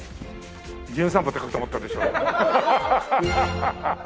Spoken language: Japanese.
『じゅん散歩』って書くと思ったでしょ？